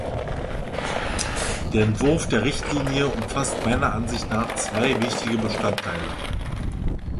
Der Entwurf der Richtlinie umfasst meiner Ansicht nach zwei wichtige Bestandteile.